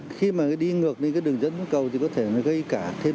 khi mà đi ngược lên cái đường dẫn xuống cầu thì có thể nó gây cả thêm nguy hiểm